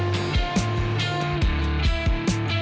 sudah tentu saja